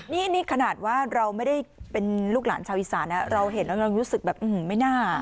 นี่นี่ขนาดว่าเราไม่ได้เป็นลูกหลานชาวอีสานน่ะเราเห็นเรายังรู้สึกแบบอื้อหือไม่น่า